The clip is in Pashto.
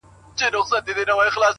افغانستان وم سره لمبه دي کړمه,